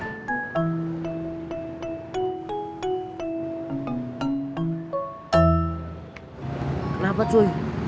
kenapa bang ojak